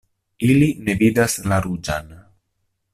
Ili ne vidas la ruĝan.